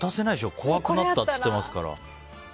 怖くなったって言ってますから。